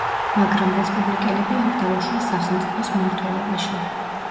მაგრამ რესპუბლიკელები არ დაუშვეს სახელმწიფოს მმართველობაში.